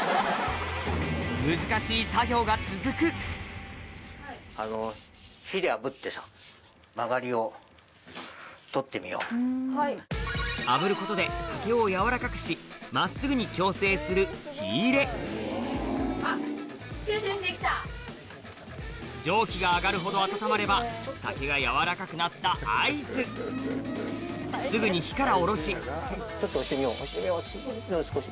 続く炙ることで竹を柔らかくし真っすぐに矯正する火入れ蒸気が上がるほど温まれば竹が柔らかくなった合図すぐに火から下ろしちょっと押してみよう少し。